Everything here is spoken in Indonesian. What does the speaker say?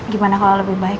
gimana kalau lebih baik